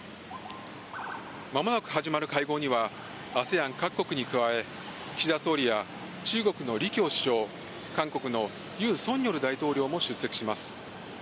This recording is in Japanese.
まもなく始まる会合には、ＡＳＥＡＮ各国に加え、岸田総理や中国の李強首相、韓国のユン・ソンニョル大統領も出席します。